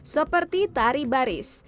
seperti tari baris